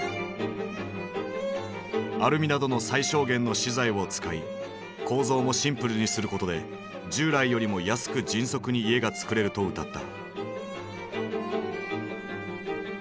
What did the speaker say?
アルミなどの最小限の資材を使い構造もシンプルにすることで従来よりも安く迅速に家がつくれるとうたった。